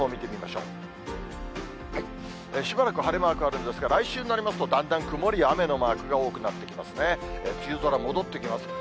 しばらく晴れマークがあるんですが、来週になりますと、だんだん曇りや雨のマークが多くなってきますね。